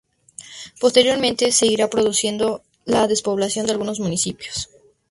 Posteriormente, se irá produciendo la despoblación de algunos municipios.